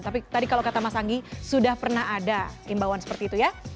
tapi tadi kalau kata mas anggi sudah pernah ada imbauan seperti itu ya